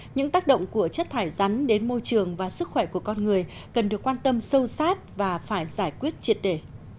những tác động của chất thải rắn đến môi trường và sức khỏe của con người cần được quan tâm sâu sát và phải giải quyết triệt đề